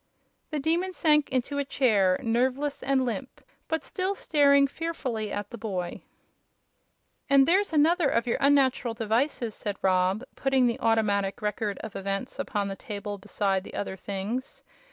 The Demon sank into a chair, nerveless and limp, but still staring fearfully at the boy. "And there's another of your unnatural devices," said Rob, putting the Automatic Record of Events upon the table beside the other things.